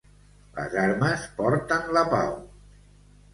Les armes porten la pau.